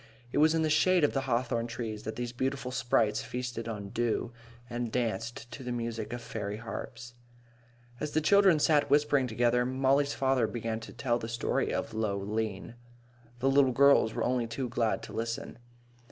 It was in the shade of the hawthorn trees that these beautiful sprites feasted on dew, and danced to the music of fairy harps. As the children sat whispering together, Molly's father began to tell the story of Lough Lean. The little girls were only too glad to listen.